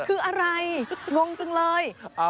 คืออะไรงงจังเลย